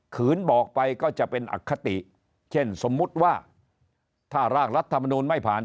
ขืนบอกไปก็จะเป็นอคติเช่นสมมุติว่าถ้าร่างรัฐมนูลไม่ผ่าน